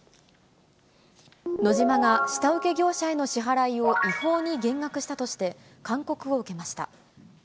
ノジマが下請け業者への支払いを違法に減額したとして、勧告を受けました。